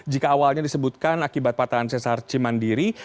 jika awalnya disebutkan akibat patahan sesar cimandiri